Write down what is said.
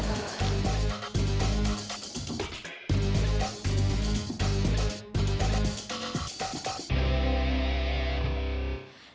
masak apa ya itu